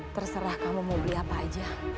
terserah kamu mau beli apa aja